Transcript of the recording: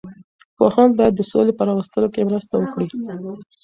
پوهان باید د سولې په راوستلو کې مرسته وکړي.